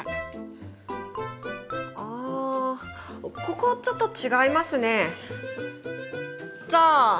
あここちょっと違いますね。